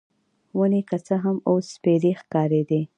ونې که څه هم، اوس سپیرې ښکارېدې.